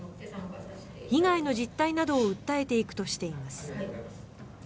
被害の実態などを訴えていくとしています。